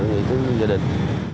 nghĩ tới gia đình